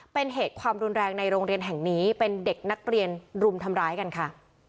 เป็นเหตุความรุนแรงในโรงเรียนแห่งนี้เป็นเด็กนักเรียนรุมทำร้ายกันค่ะ